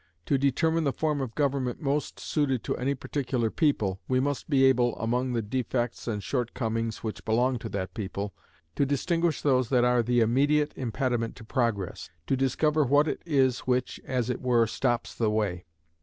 To determine the form of government most suited to any particular people, we must be able, among the defects and shortcomings which belong to that people, to distinguish those that are the immediate impediment to progress to discover what it is which (as it were) stops the way.